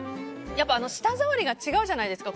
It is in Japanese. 舌触りが違うじゃないですか。